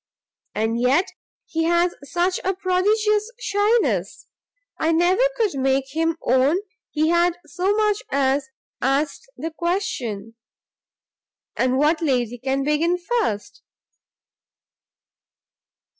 And yet he has such a prodigious shyness, I never could make him own he had so much as asked the question. And what lady can begin first?"